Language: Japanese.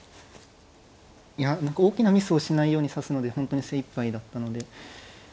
いや何か大きなミスをしないように指すので本当に精いっぱいだったので。